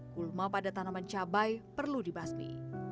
kulma pada tanaman cabai perlu dibasmi